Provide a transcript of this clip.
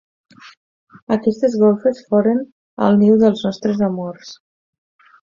Aquestes golfes foren el niu dels nostres amors.